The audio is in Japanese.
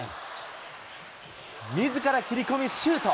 みずから切り込みシュート。